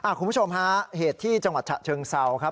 คุณผู้ชมฮะเหตุที่จังหวัดฉะเชิงเซาครับ